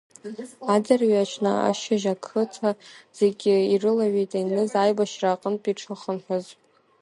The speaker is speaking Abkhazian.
Адырҩаҽны ашьыжь ақыҭа зегьы ирылаҩит Еныз аибашьра аҟынтәи дшыхынҳәыз.